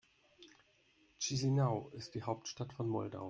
Chișinău ist die Hauptstadt von Moldau.